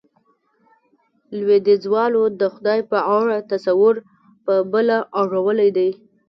لوېديځوالو د خدای په اړه تصور، په بله اړولی دی.